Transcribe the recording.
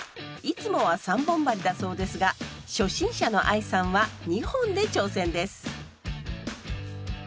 いつもは３本針だそうですが初心者の愛さんは２本で挑戦です。